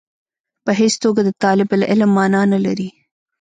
په هېڅ توګه د طالب العلم معنا نه لري.